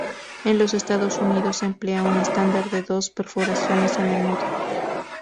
En los Estados Unidos se emplea un estándar de dos perforaciones a menudo.